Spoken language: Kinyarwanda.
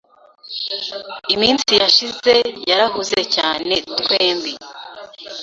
Iminsi yashize yarahuze cyane twembi.